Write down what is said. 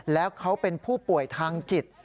แล้วเขาเป็นผู้ป่วยทางจิต